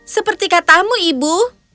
seperti katamu ibu